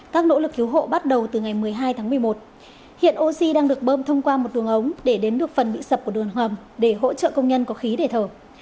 các nỗ lực cứu hộ bắt đầu từ ngày một mươi hai tháng một mươi một hiện oxy đang được bơm thông qua một đường ống để đến được phần bị sập của đường hầm để hỗ trợ công nhân có khí để thở